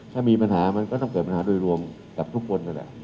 ถ้ามีปัญหาก็ต้องเกิดปัญหาโดยรวมกับทุกคนเฉพาะ